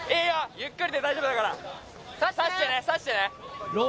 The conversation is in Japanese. ゆっくりで大丈夫だから・さしてー！